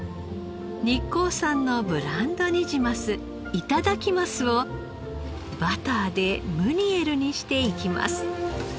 日光産のブランドニジマス頂鱒をバターでムニエルにしていきます。